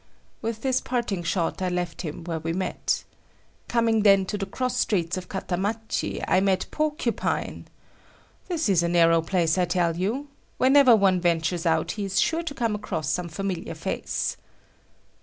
With this parting shot, I left him where we met. Coming then to the cross streets of Katamachi, I met Porcupine. This is a narrow place, I tell you. Whenever one ventures out, he is sure to come across some familiar face.